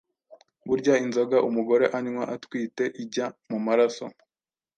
burya inzoga umugore anywa atwite ijya mu maraso,